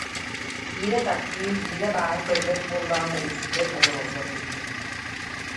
Биирэ таптыыр, биирэ абааһы көрбөт буоллаҕына үксүгэр олороллор быһыылаах